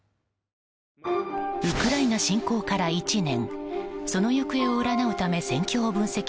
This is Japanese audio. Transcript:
ウクライナ侵攻から１年。